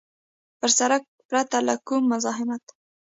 پر سړک پرته له کوم مزاحمته.